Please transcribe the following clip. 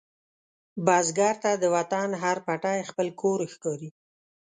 بزګر ته د وطن هر پټی خپل کور ښکاري